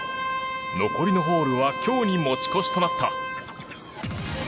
残りのホールは今日に持ち越しとなった。